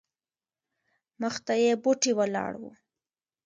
مخته یې بوټې ولاړ وو.